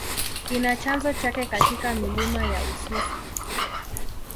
Ina chanzo chake katika milima ya Uswisi.